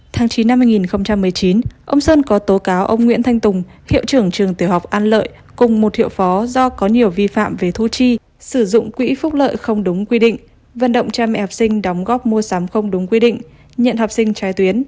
tháng chín năm hai nghìn một mươi chín ông sơn có tố cáo ông nguyễn thanh tùng hiệu trưởng trường tiểu học an lợi cùng một hiệu phó do có nhiều vi phạm về thu chi sử dụng quỹ phúc lợi không đúng quy định vận động cha mẹ học sinh đóng góp mua sắm không đúng quy định nhận học sinh trái tuyến